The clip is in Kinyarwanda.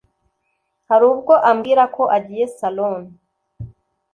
Harubwo ambwirako agiye salon